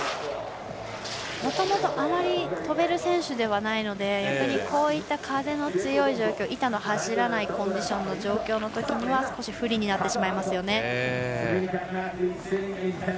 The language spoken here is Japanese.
もともとあまりとべる選手ではないので逆に、こうした風の強い状況板の走らないコンディションの状況のときには少し不利になってしまいますよね。